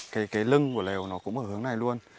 cái lưng của lều nó cũng ở hướng này luôn